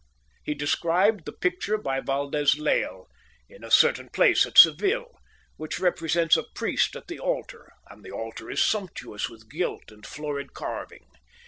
He described the picture by Valdes Leal, in a certain place at Seville, which represents a priest at the altar; and the altar is sumptuous with gilt and florid carving.